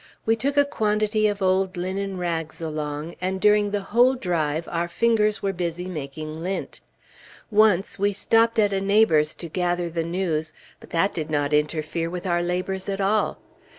We took a quantity of old linen rags along, and during the whole drive, our fingers were busy making lint. Once we stopped at a neighbor's to gather the news, but that did not interfere with our labors at all.